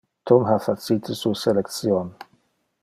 Tom ha facite su selection.